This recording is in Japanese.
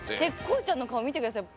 こうちゃんの顔見てください。